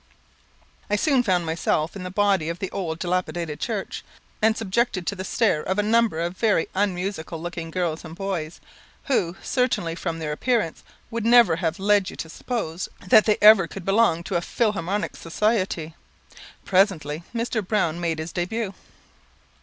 I soon found myself in the body of the old dilapidated church, and subjected to the stare of a number of very unmusical looking girls and boys, who, certainly from their appearance, would never have led you to suppose that they ever could belong to a Philharmonic society. Presently, Mr. Browne made his debut.